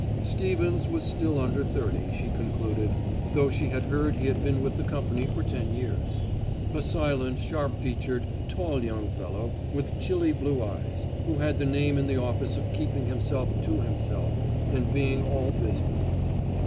Stevens was still under thirty, she concluded, though she had heard he had been with the company for ten years. A silent, sharp featured, tall young fellow with chilly blue eyes, who had the name in the office of keeping himself to himself and being all business.